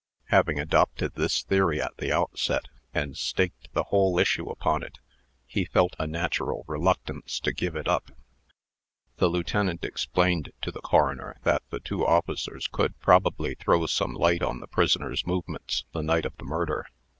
Having adopted this theory at the outset, and staked the whole issue upon it, he felt a natural reluctance to give it up. The lieutenant explained to the coroner that the two officers could probably throw some light on the prisoner's movements, the night of the murder.